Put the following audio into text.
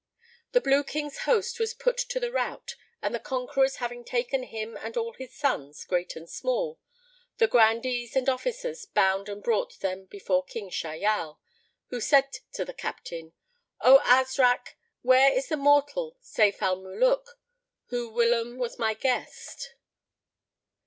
The Blue King's host was put to the rout and the conquerors having taken him and all his sons, great and small, and Grandees and officers bound and brought them before King Shahyal, who said to the captive, "O Azrak,[FN#2] where is the mortal Sayf al Muluk who whilome was my guest?"